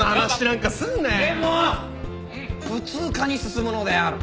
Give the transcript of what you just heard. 普通科に進むのである。